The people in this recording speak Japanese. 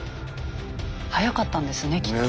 はやかったんですねきっと。